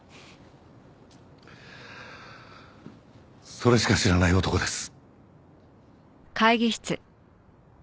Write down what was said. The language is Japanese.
それしか知らない男です。